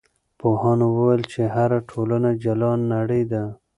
پوهانو وویل چې هره ټولنه جلا نړۍ ده.